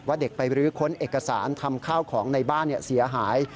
เด็กไปรื้อค้นเอกสารทำข้าวของในบ้านเสียหาย